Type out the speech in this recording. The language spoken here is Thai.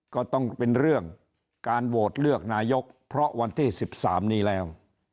ก็ต้องเป็นเรื่องการโหวตเลือกนายกเพราะวันที่๑๓นี้แล้ว